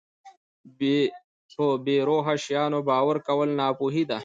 په بې روحه شیانو باور کول ناپوهي ده.